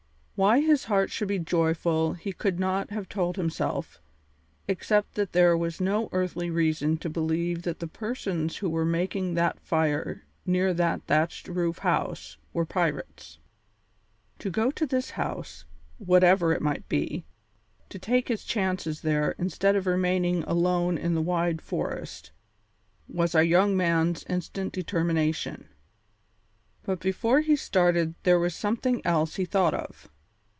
Why his heart should be joyful he could not have told himself except that there was no earthly reason to believe that the persons who were making that fire near that thatched roof house were pirates. To go to this house, whatever it might be, to take his chances there instead of remaining alone in the wide forest, was our young man's instant determination. But before he started there was something else he thought of.